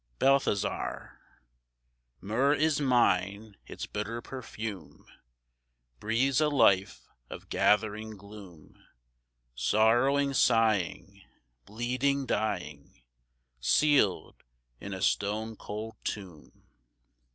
Balthazar: Myrrh is mine; its bitter perfume Breathes a life of gathering gloom; Sorrowing, sighing, Bleeding, dying, Sealed in a stone cold tomb.